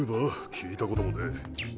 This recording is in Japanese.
聞いたこともねえ。